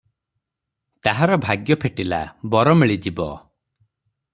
ତାହାର ଭାଗ୍ୟ ଫିଟିଲା, ବର ମିଳିଯିବ ।